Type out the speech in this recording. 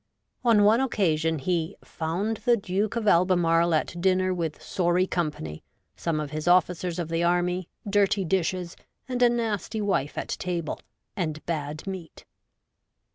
On one occasion he ' found SOME OLD TIME TERMAGANTS. 65 the Duke of Albemarle at dinner with sorry com pany ; some of his officers of the Army ; dirty dishes and a nasty wife at table, and bad meat.'